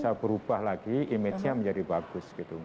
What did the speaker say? sehingga itu akan bisa berubah lagi image nya menjadi bagus gitu